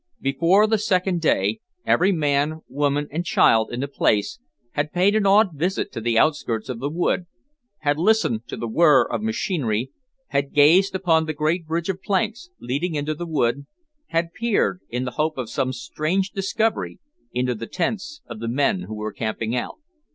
Before the second day, every man, woman and child in the place had paid an awed visit to the outskirts of the wood, had listened to the whirr of machinery, had gazed upon the great bridge of planks leading into the wood, had peered, in the hope of some strange discovery into the tents of the men who were camping out.